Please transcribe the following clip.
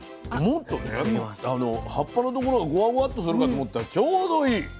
もっとね葉っぱのところがゴワゴワッとするかと思ったらちょうどいい。